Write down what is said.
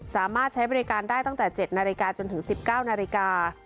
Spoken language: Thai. สามารถใช้บริการได้ตั้งแต่๗นาฬิกาจนถึง๑๙นาฬิกา